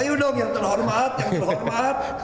ayo dong yang terhormat yang terhormat